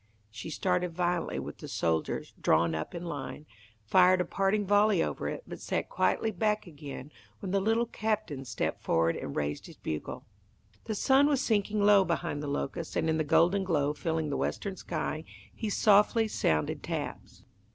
She started violently when the soldiers, drawn up in line, fired a parting volley over it, but sat quietly back again when the Little Captain stepped forward and raised his bugle. The sun was sinking low behind the locusts, and in the golden glow filling the western sky, he softly sounded taps.